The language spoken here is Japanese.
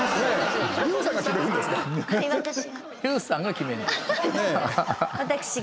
ＹＯＵさんが決めるんや。